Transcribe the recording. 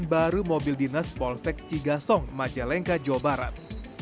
baru mobil dinas polsek cigasong majalengka jawa barat